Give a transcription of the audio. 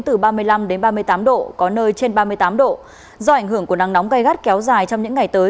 từ ba mươi năm đến ba mươi tám độ có nơi trên ba mươi tám độ do ảnh hưởng của nắng nóng gai gắt kéo dài trong những ngày tới